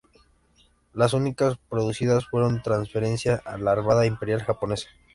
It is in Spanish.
Las unidades producidas fueron transferidas a la Armada Imperial Japonesa.